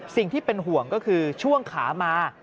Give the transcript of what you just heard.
สิ่งที่เป็นห่วงก็คือช่วงขามา